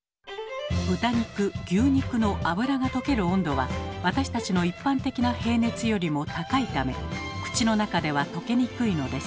豚肉牛肉の脂が溶ける温度は私たちの一般的な平熱よりも高いため口の中では溶けにくいのです。